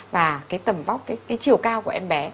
và cái tầm vóc cái chiều cao của em bé